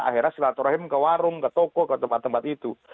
akhirnya silaturahim ke warung ke toko ke tempat tempat itu